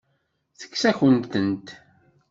Tekkes-akent-tent.